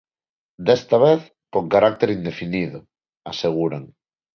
"Desta vez, con carácter indefinido", aseguran.